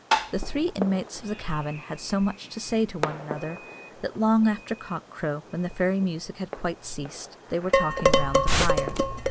The three inmates of the cabin had so much to say to one another, that long after cock crow, when the fairy music had quite ceased, they were talking round the fire.